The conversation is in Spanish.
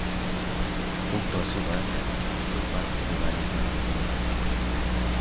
Junto a su banda ha sido parte de varias bandas sonoras.